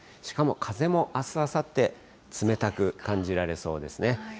しかも風も、あす、あさって、冷たく感じられそうですね。